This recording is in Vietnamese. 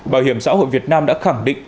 bảo hiểm xã hội việt nam đã khẳng định